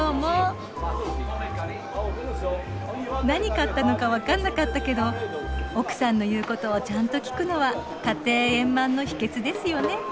何買ったのか分かんなかったけど奥さんの言うことをちゃんと聞くのは家庭円満の秘けつですよね。